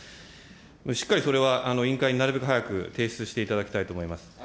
しっかり、それは委員会になるべく早く提出していただきたいと思います。